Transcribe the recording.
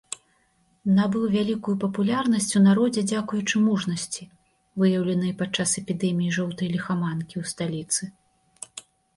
Набыў вялікую папулярнасць у народзе дзякуючы мужнасці, выяўленай падчас эпідэміі жоўтай ліхаманкі ў сталіцы.